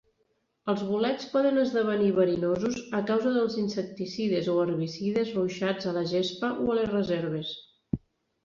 Els bolets poden esdevenir verinosos a causa dels insecticides o herbicides ruixats a la gespa o a les reserves.